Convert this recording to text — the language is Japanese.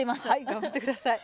頑張ってください。